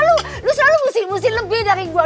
lu selalu musim musim lebih dari gue